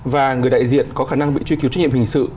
và người đại diện có khả năng bị truy cứu trách nhiệm hình sự